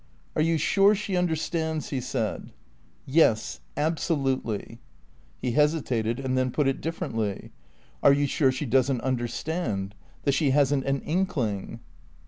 "Are you sure she understands?" he said. "Yes. Absolutely." He hesitated, and then put it differently. "Are you sure she doesn't understand? That she hasn't an inkling?"